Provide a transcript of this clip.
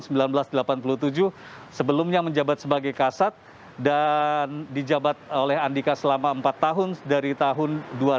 andika perkasa lulus dari akademi militer pada tahun seribu sembilan ratus delapan puluh tujuh sebelumnya menjabat sebagai kasat dan dijabat oleh andika selama empat tahun dari tahun dua ribu delapan belas